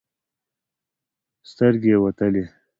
سترګې يې وتلې.